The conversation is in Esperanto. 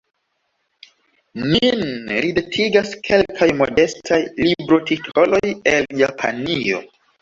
Min ridetigas kelkaj modestaj librotitoloj el Japanio.